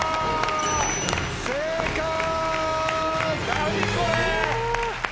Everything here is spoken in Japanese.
何これ！